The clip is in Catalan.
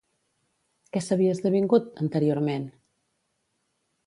Què s'havia esdevingut, anteriorment?